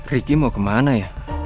ricky mau kemana ya